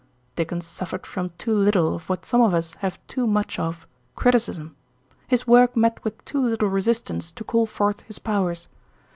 Dickens suffered from too little of what some of us have too much of—criticism. His work met with too little resistance to call forth his powers.